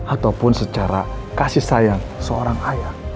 ataupun secara kasih sayang seorang ayah